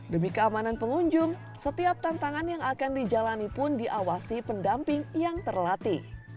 demi keamanan pengunjung setiap tantangan yang akan dijalani pun diawasi pendamping yang terlatih